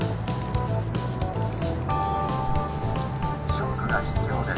ショックが必要です